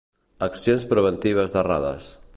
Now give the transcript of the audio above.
Accions preventives d'errades.